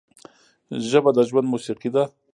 ژبه د ژوند موسیقي ده